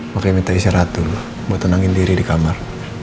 makanya minta istirahat dulu buat tenangin diri di kamar